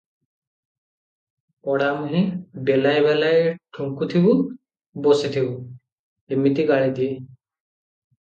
ପୋଡାମୁହିଁ, ବେଲାଏ ବେଲାଏ ଠୁଙ୍କୁଥିବୁ ବସିଥିବୁ' ଏମିତି ଗାଳି ଦିଏ ।